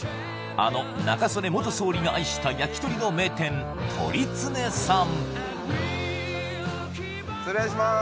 あの中曽根元総理が愛した焼き鳥の名店鳥常さん失礼します